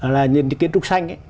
là những cái kiến trúc xanh